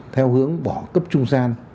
theo hướng bỏ cấp trung gian